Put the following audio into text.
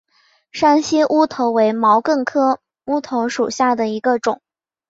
山西乌头为毛茛科乌头属下的一个种。